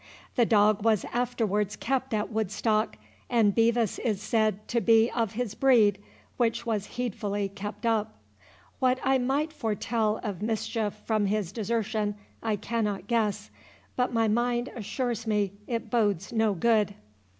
The dog was afterwards kept at Woodstock, and Bevis is said to be of his breed, which was heedfully kept up. What I might foretell of mischief from his desertion, I cannot guess, but my mind assures me it bodes no good."